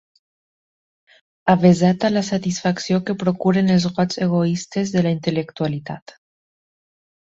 Avesat a la satisfacció que procuren els goigs egoistes de la intel·lectualitat.